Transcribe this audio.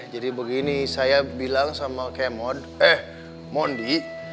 jadi begini saya bilang sama kemon eh mondi